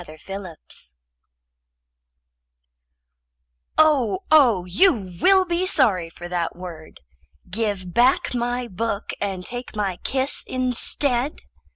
[Pg 199] VII Oh, oh, you will be sorry for that word! Give back my book and take my kiss instead.